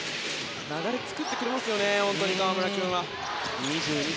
流れを作ってくれますね河村君は。